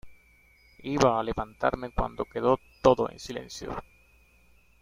iba a levantarme cuando quedó todo en silencio.